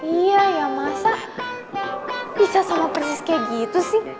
iya ya masa bisa sama persis kayak gitu sih